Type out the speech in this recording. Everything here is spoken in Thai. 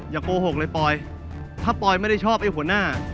โกหกเลยปอยถ้าปอยไม่ได้ชอบไอ้หัวหน้า